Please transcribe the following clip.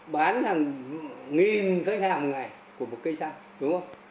bán hàng nghìn cây hàng ngày của một cây xăng đúng không